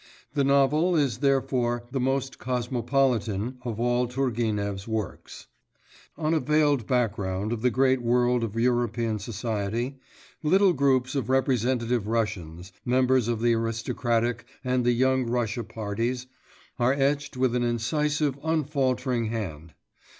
The novel is therefore the most cosmopolitan of all Turgenev's works. On a veiled background of the great world of European society, little groups of representative Russians, members of the aristocratic and the Young Russia parties, are etched with an incisive, unfaltering hand.